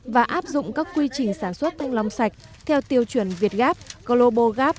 và áp dụng các quy trình sản xuất thanh long sạch theo tiêu chuẩn việt gap global gap